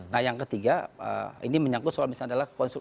nah yang ketiga ini menyangkut soal misalnya adalah